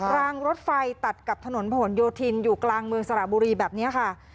รางรถไฟตัดกับถนนผนโยธินอยู่กลางเมืองสระบุรีแบบนี้ค่ะ